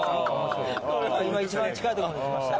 一番近いとこまで来ました。